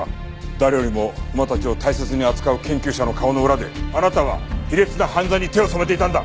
誰よりも馬たちを大切に扱う研究者の顔の裏であなたは卑劣な犯罪に手を染めていたんだ！